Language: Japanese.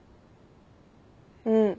うん。